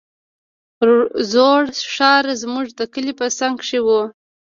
زوړ ښار زموږ د کلي په څنگ کښې و.